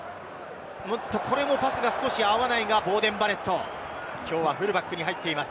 これもパスが少し合わないが、ボーデン・バレット、きょうはフルバックに入っています。